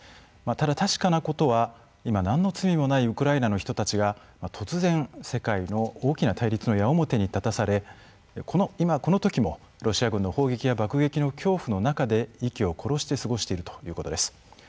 ただ確かなことは今なんの罪もないウクライナの人たちが突然世界の大きな対立の矢面に立たされ今このときもロシア軍の砲撃や爆撃の恐怖の中で息を殺して過ごしているということです。